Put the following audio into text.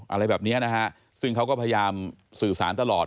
อะไรแบบนี้นะฮะซึ่งเขาก็พยายามสื่อสารตลอด